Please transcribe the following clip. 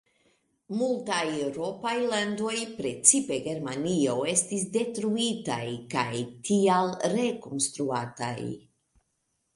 Multaj eŭropaj landoj, precipe Germanio, estis detruitaj kaj tial rekonstruataj.